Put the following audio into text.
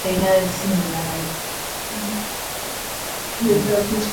Esa puerta fue cerrada por el nuevo gobierno, encabezado por Carlos Castillo Armas.